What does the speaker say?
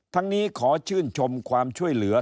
ทั้งนี้ขอชื่นชมความช่วยเหลือ